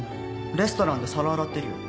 レストランで皿洗ってるよ。